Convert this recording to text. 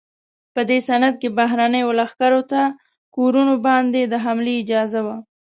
په دې سند کې بهرنیو لښکرو ته کورونو باندې د حملې اجازه وه.